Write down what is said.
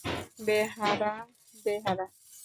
বেহারা, বেহারা!